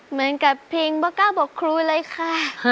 เหมือนกับเพลงบอกก้าวบอกครูเลยค่ะ